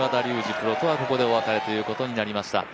プロとはここでお別れということになりました。